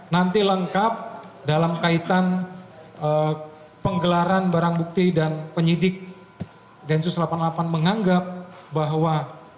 nanti lengkap dalam kaitan penggelaran barang bukti dan penyidik densus delapan puluh delapan menganggap bahwa